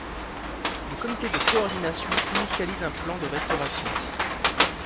Le comité de coordination initialise un plan de restauration.